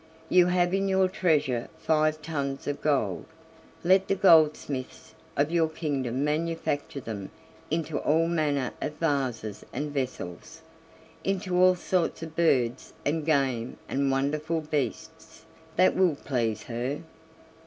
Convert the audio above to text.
You have in your treasure five tons of gold; let the goldsmiths of your kingdom manufacture them into all manner of vases and vessels, into all sorts of birds and game and wonderful beasts; that will please her.